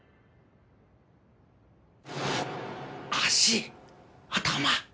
足！頭！